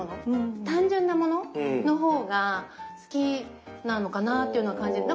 単純なものの方が好きなのかなぁっていうのは感じる。